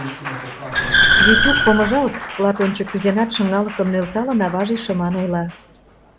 — Витюк, помыжалт, — клат ончык кӱзенат, шыҥалыкым нӧлталын, аваже шыман ойла.